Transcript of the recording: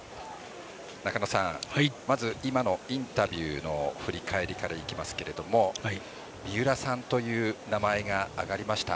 中野さん、まず今のインタビューの振り返りからいきますけども三浦さんという名前が挙がりました。